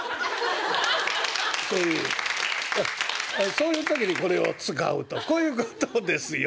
そういう時にこれを使うとこういうことですよ。